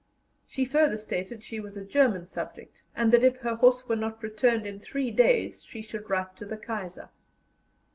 She further stated she was a German subject, and that if her horse were not returned in three days she should write to the Kaiser.